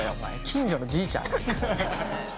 近所のじいちゃん？